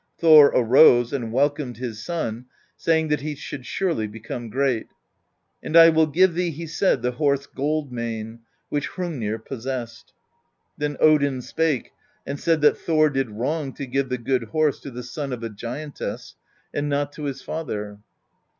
Thor arose and welcomed his son, saying that he should surely become great; 'And I will give thee,' he said, 'the horse Gold Mane, which Hrungnir possessed.' Then Odin spake and said that Thor did wrong to give the good horse to the son of a giantess, and not to his father.